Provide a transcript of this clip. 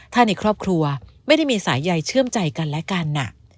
ถ้าในครอบครัวไม่ได้มีสายใยเชื่อมใจกันและกัน